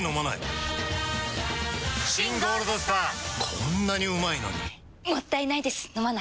こんなにうまいのにもったいないです、飲まないと。